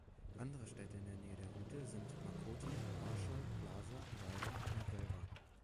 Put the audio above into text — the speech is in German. Andere Städte in der Nähe der Route sind Makoti, Parshall, Plaza, Ryder und Velva.